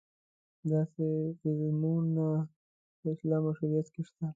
داسې عملونه په اسلام او شریعت کې شته.